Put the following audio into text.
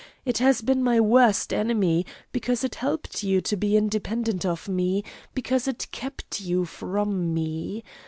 It has been my worst enemy, because it helped you to be independent of me, because it kept you from me.